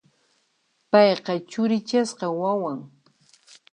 Payqa churichasqa wawan.